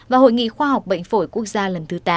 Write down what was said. và hội nghị khoa học bệnh phổi quốc gia lần thứ tám